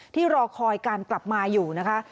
รอคอยการกลับมาอยู่นะคะ